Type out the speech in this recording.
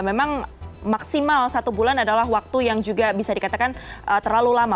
memang maksimal satu bulan adalah waktu yang juga bisa dikatakan terlalu lama